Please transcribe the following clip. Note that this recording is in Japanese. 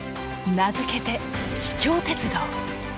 名付けて「秘境鉄道」。